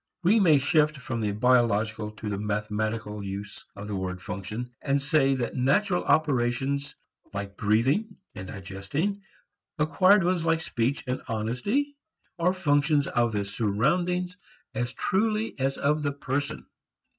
We may shift from the biological to the mathematical use of the word function, and say that natural operations like breathing and digesting, acquired ones like speech and honesty, are functions of the surroundings as truly as of a person.